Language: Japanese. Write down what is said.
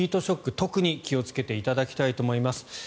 特に気をつけていただきたいと思います。